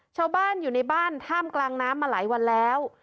ชาวบ้านอยู่ในบ้านท่ามกลางน้ำมาหลายวันแล้ว